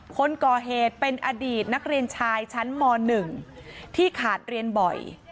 คนก่อเหตุเป็นอดีตนักเรียนชายชั้นม๑ที่ขาดเรียนบ่อย